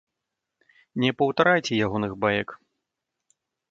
Не паўтарайце ягоных баек.